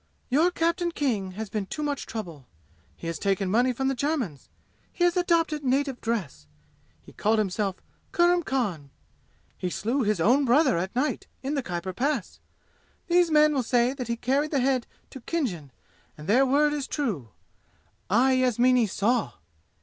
"Your Captain King has been too much trouble. He has taken money from the Germans. He adopted native dress. He called himself Kurram Khan. He slew his own brother at night in the Khyber Pass. These men will say that he carried the head to Khinjan, and their word is true. I, Yasmini, saw.